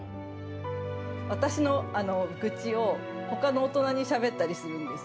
私のぐちをほかの大人にしゃべったりするんです。